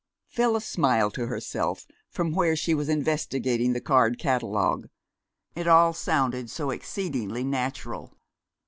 Phyllis smiled to herself from where she was investigating the card catalogue. It all sounded so exceedingly natural.